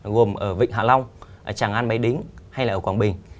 gồm ở vịnh hạ long tràng an máy đính hay là ở quảng bình